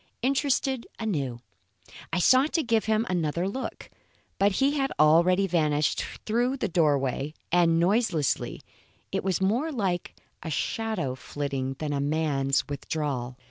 Interested anew, I sought to give him another look, but he had already vanished through the doorway, and so noiselessly, it was more like a shadow's flitting than a man's withdrawal.